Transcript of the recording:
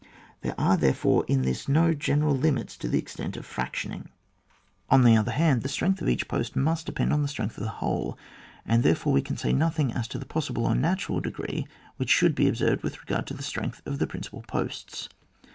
There are, therefore, in this no general limits to the extent of frac tioning. On the other hand, the strength CRAP, xvni.] DEFENCE OF STREAMS AND RIVERS. 133 of eaoh post must depend on the strength of the whole ; and therefore we can say nothing as to the possible or natural degree which should be observed with regard to the strength of the principal posts.